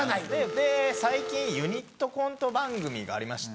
で最近ユニットコント番組がありまして。